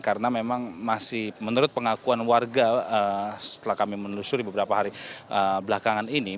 karena memang masih menurut pengakuan warga setelah kami menelusuri beberapa hari belakangan ini